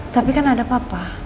tapi kan ada papa